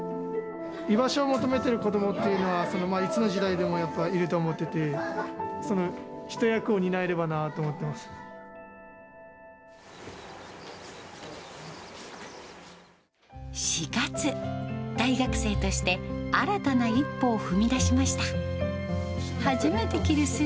居場所を求めてる子どもっていうのは、いつの時代でもやっぱいると思ってて、その一役を担えればなと思っています。